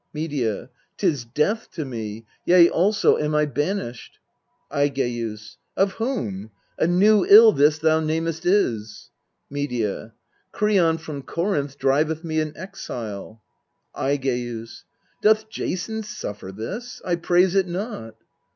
Medea. Tis death to me! Yea, also am I banished. Aigcus. Of whom ? A new ill this thou namest is. 1 Medea. Kreon from Corinth driveth me an exile. Aigcns. Doth Jason suffer this? I praise it not.